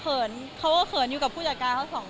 เขินค่ะเขาเขินอยู่กับผู้จัดการเขา๒คน